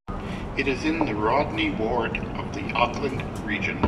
It is in the Rodney Ward of the Auckland Region.